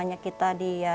tiba tiba dari atas